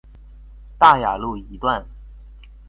大雅路一段